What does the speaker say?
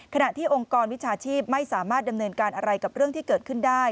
ขณะที่องค์กรวิชาชีพไม่สามารถดำเนินการอะไรกับเรื่องที่เกิดขึ้นได้